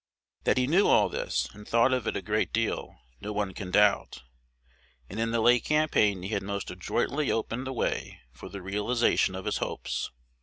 That he knew all this, and thought of it a great deal, no one can doubt; and in the late campaign he had most adroitly opened the way for the realization of his hopes.